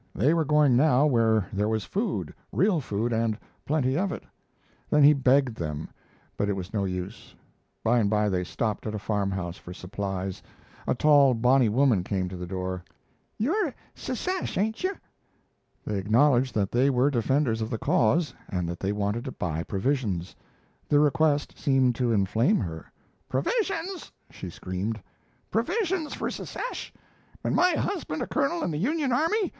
They were going now where there was food real food and plenty of it. Then he begged them, but it was no use. By and by they stopped at a farm house for supplies. A tall, bony woman came to the door: "You're secesh, ain't you?" They acknowledged that they were defenders of the cause and that they wanted to buy provisions. The request seemed to inflame her. "Provisions!" she screamed. "Provisions for secesh, and my husband a colonel in the Union Army.